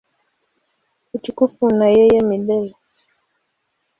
Utukufu una yeye milele.